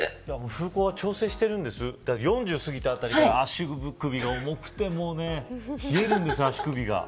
風向は調整しているんです４０過ぎたあたりから足首が重くて、もうね冷えるんですよ、足首が。